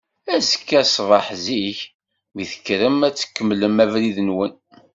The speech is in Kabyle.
Azekka ṣṣbeḥ zik, mi d-tekkrem ad tkemmlem abrid-nwen.